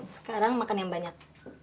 sekarang makan yang banyak